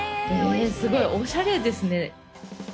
えぇすごいおしゃれですね。